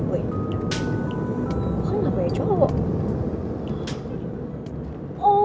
bukan abis cowok